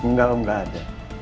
enggak om gak ada